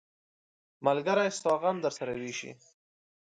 ملګری ستا غم درسره ویشي.